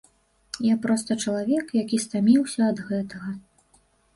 Я проста чалавек, які стаміўся ад гэтага.